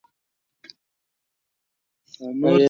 ایا ټولنه پر هغو نجونو باور کوي چې زده کړه لري؟